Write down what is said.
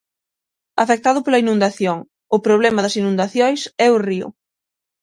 Afectado pola inundación: O problema das inundacións é o río.